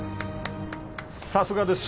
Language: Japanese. さすがです